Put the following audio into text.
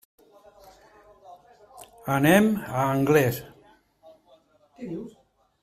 Anem a Anglès.